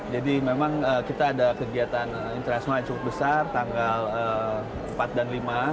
jadi memang kita ada kegiatan internasional yang cukup besar tanggal empat dan lima